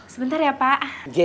sebentar ya pak